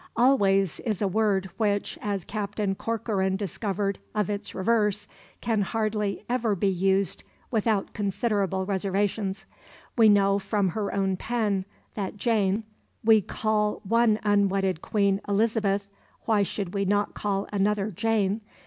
"Always" is a word which as Captain Corcoran discovered of its reverse can hardly ever be used without considerable reservations. We know, from her own pen, that Jane we call one unwedded queen "Elizabeth," why should we not call another "Jane"?